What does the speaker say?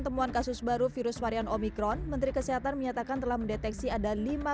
temuan kasus baru virus varian omikron menteri kesehatan menyatakan telah mendeteksi ada lima